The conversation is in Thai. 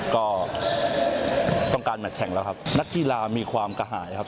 ก็ต้องการแมทแข่งแล้วครับนักกีฬามีความกระหายครับ